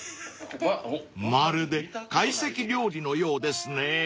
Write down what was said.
［まるで懐石料理のようですね］